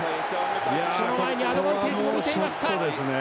その前にアドバンテージも出ていました。